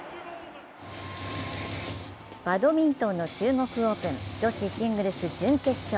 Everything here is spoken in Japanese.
バドミントンの中国オープン女子シングルス準決勝。